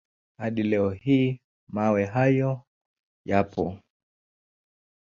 Hadi leo hii mawe hayo yapo.